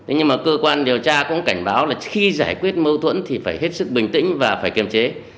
nhưng mà cơ quan điều tra cũng cảnh báo là khi giải quyết mâu thuẫn thì phải hết sức bình tĩnh và phải kiềm chế